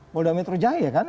polda metro jaya kan